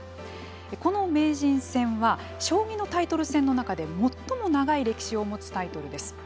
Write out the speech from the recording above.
この名人戦は将棋のタイトル戦の中で最も長い歴史を持つタイトルです。